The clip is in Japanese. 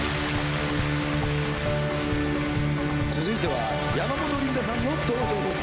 続いては山本リンダさんの登場です。